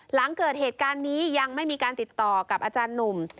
หลังเกิดเหตุการณ์นี้ยังไม่มีการติดต่อกับอาจารย์หนุ่ม